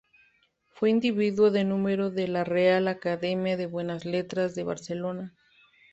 Fue individuo de número de la Real Academia de Buenas Letras de Barcelona.